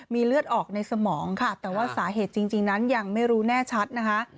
มีเลือดออกในสมองค่ะแต่ว่าสาเหตุจริงนั้นยังไม่รู้แน่ชัดนะคะ